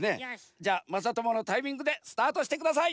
じゃあまさとものタイミングでスタートしてください。